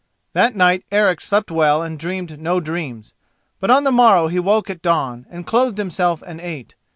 That night Eric slept well and dreamed no dreams. But on the morrow he woke at dawn, and clothed himself and ate.